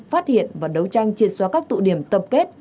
phát hiện và đấu tranh triệt xóa các tụ điểm tập kết